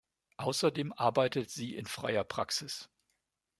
Außerdem arbeitet sie in freier Praxis.